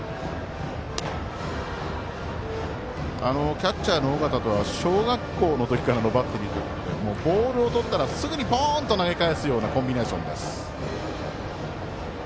キャッチャーの尾形とは小学生からのバッテリーということでボールをとったらすぐに投げ返すようなコンビネーションです。